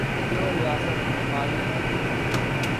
جو ریاست ہماری ہے۔